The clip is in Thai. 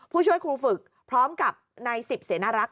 ผู้ช่วยครูฝึกพร้อมกับใน๑๐เสนารักษ์